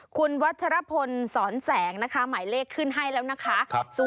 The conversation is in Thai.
คุณวัชรพลสอนแสงนะคะหมายเลขขึ้นให้แล้วนะคะ